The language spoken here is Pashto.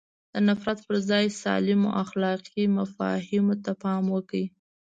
د نفرت پر ځای سالمو اخلاقي مفاهیمو ته پام وکړي.